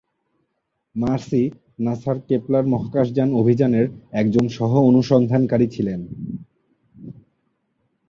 Mercy নাসা-র Kepler মহাকাশযান অভিযানের একজন সহ-অনুসন্ধানকারী ছিলেন।